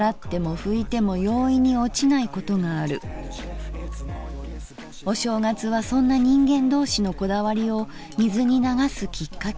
お正月はそんな人間同士のこだわりを水に流すキッカケになってくれる。